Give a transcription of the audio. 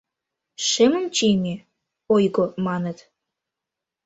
Шемым чийыме — ойго, маныт